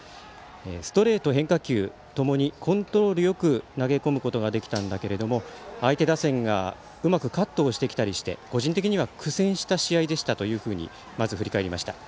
ストレート、変化球ともにコントロールよく投げ込むことができたけど相手打線がうまくカットしてきたりして個人的には苦戦した試合でしたとまず振り返りました。